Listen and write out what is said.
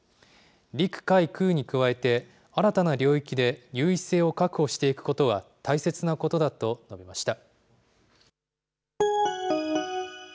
陸海空に加えて、新たな領域で優位性を確保していくことは大切なことだと述べました。